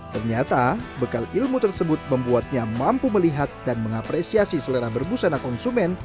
ternyata bekal ilmu tersebut membuatnya mampu melihat dan mengapresiasi selera berbusana konsumen